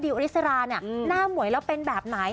อริสราเนี่ยหน้าหมวยแล้วเป็นแบบไหน